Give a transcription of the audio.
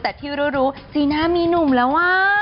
แต่ที่รู้จีน่ามีหนุ่มแล้ววะ